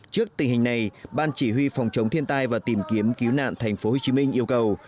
trước tình hình này ban chỉ huy phòng chống thiên tai và tìm kiếm cứu nạn thành phố hồ chí minh yêu cầu